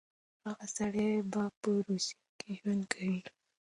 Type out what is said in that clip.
هغه سړی به په روسيه کې ژوند کوي.